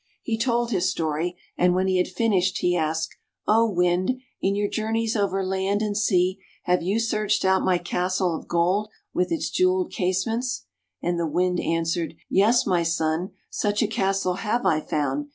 He told his story, and when he had finished he asked, " Oh, Wind, in your jour neys over land and sea, have you searched out my castle of gold, with its jeweled case ments? " And the Wind answered, " Yes, my son, such a castle have I found.